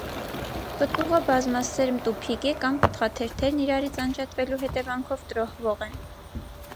Պտուղը բազմասերմ տուփիկ է, կամ պտղաթերթերն իրարից անջատվելու հետևանքով տրոհվող են։